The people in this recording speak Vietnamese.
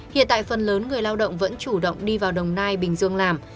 hiện tại phần lớn người lao động vẫn chủ động đi vào đồng nai bình dương làm